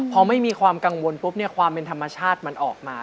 พอไม่มีความกังวลปุ๊บเนี่ยความเป็นธรรมชาติมันออกมา